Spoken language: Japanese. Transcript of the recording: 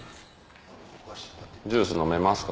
ジュース飲めますか？